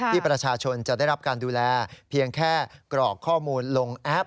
ที่ประชาชนจะได้รับการดูแลเพียงแค่กรอกข้อมูลลงแอป